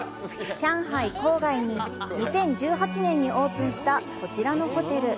上海郊外に２０１８年にオープンしたこちらのホテル。